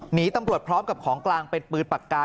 หนีตำรวจพร้อมกับของกลางเป็นปืนปากกา